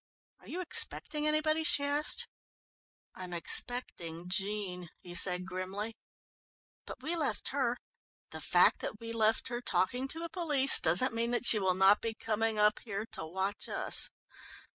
"Are you expecting anybody?" she asked. "I'm expecting Jean," he said grimly. "But we left her " "The fact that we left her talking to the police doesn't mean that she will not be coming up here, to watch us.